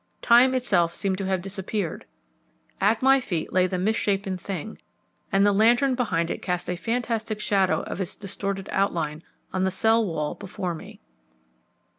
Time itself seemed to have disappeared. At my feet lay the misshapen thing, and the lantern behind it cast a fantastic shadow of its distorted outline on the cell wall before me.